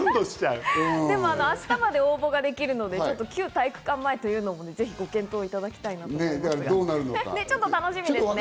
明日まで応募ができるので、旧体育館前というのも、ぜひご検討いただきたいですが、ちょっとちょっと楽しみ。